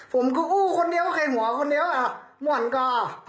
ผมก็อู้คนเดียวใครหัวคนเดียวม่วนก็